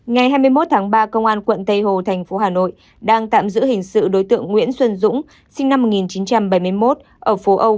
ngày hai mươi một tháng ba công an quận tây hồ thành phố hà nội đang tạm giữ hình sự đối tượng nguyễn xuân dũng sinh năm một nghìn chín trăm bảy mươi một ở phố âu